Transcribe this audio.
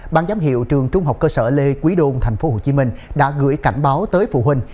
ban giám hiệu trường trung học cơ sở lê quý đôn tp hcm đã gửi cảnh báo tới phụ huynh